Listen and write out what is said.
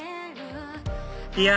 いや